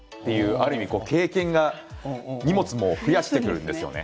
ある意味経験が荷物も増やしていくんですよね。